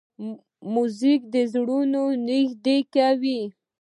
موزیک زړونه نږدې کوي.